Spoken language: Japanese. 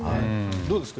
どうですか？